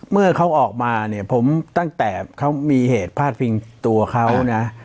เมื่อเขาออกมาเนี่ยผมตั้งแต่เขามีเหตุพาดพิงตัวเขานะ